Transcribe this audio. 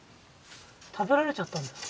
食べられちゃったんですか？